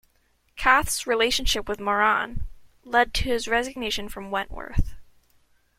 Kath's relationship with Moran lead to his resignation from Wentworth.